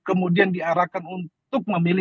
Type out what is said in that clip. kemudian diarahkan untuk memilih